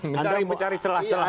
mencari mencari celah celah lagi